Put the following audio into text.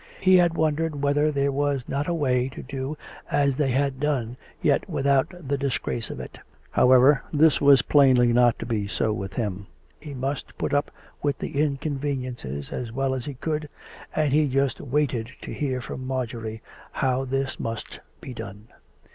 He had wondered whether there were not a way to do as they had done, yet without the disgrace of it. ... However, this was plainly not to be so with him. He must put up with the inconveniences as well as he could, and he just waited to hear from Marjorie how this must be done.